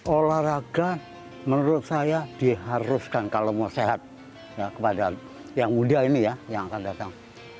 olahraga menurut saya diharuskan kalau mau sehat kepada yang muda ini ya yang akan datang